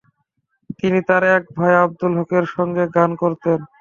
তিনি তার এক ভাই আবদুল হকের সঙ্গে গান করতেন।